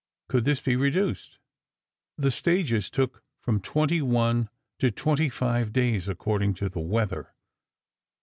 Could this be reduced? The stages took from twenty one to twenty five days, according to the weather.